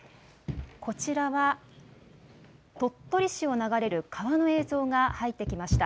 こちらは、鳥取市を流れる川の映像が入ってきました。